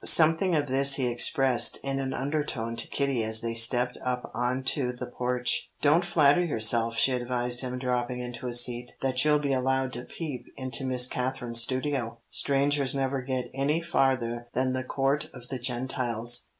Something of this he expressed in an undertone to Kitty as they stepped up on to the porch. "Don't flatter yourself," she advised him, dropping into a seat, "that you'll be allowed a peep into Miss Katherine's studio. Strangers never get any farther than the Court of the Gentiles."